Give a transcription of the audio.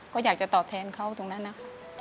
ก็อยากจะตอบแทนเขาตรงนั้นนะคะ